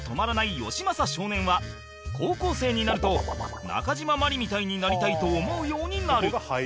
少年は高校生になるとなかじままりみたいになりたいと思うようになる